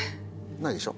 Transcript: ないでしょ